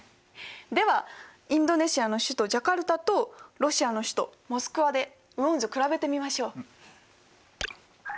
ではインドネシアの首都ジャカルタとロシアの首都モスクワで雨温図を比べてみましょう。